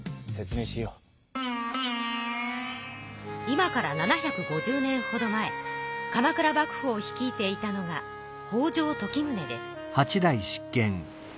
今から７５０年ほど前鎌倉幕府を率いていたのが北条時宗です。